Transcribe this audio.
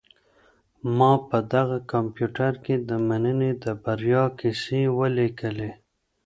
ما په دغه کمپیوټر کي د مننې د بریا کیسې ولیکلې.